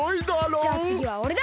じゃあつぎはおれだ！